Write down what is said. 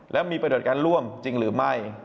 และมีประโยชน์การร่วมจริงหรือไม่